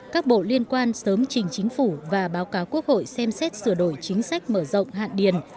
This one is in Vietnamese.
các bộ liên quan sớm trình chính phủ và báo cáo quốc hội xem xét sửa đổi chính sách mở rộng hạn điền